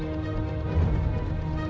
nanti aku akan datang